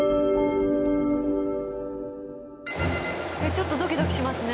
ちょっとドキドキしますね。